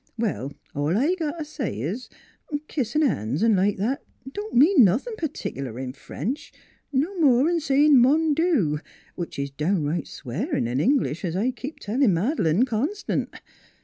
" Well, all I got t' say is, kissin' han's, V like that, don't mean nothin' pertic'lar in French no more 'n' sayin' Mondu which is downright swearin' in English, es I keep a tellin' Mad'lane constant.